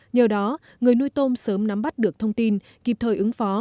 nhờ đó người nuôi tôm sớm nắm bắt được thông tin kịp thời ứng phó